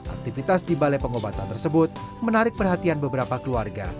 aktivitas di balai pengobatan tersebut menarik perhatian beberapa keluarga